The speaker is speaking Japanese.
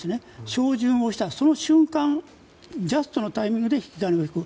照準をした瞬間ジャストのタイミングで引き金を引く。